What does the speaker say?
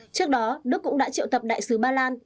trước đó đức cũng đã triệu tập đại sứ ba lan